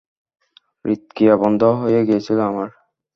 হৃদক্রিয়া বন্ধ হয়ে গিয়েছিল আমার।